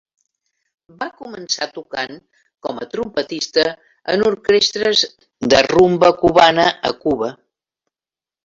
Va començar tocant, com a trompetista, en orquestres de rumba cubana a Cuba.